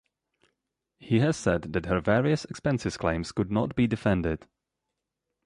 He has said that her various expenses claims could not be defended.